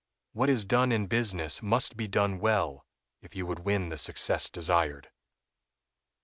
What is done in business must be done well if you would win the success desired.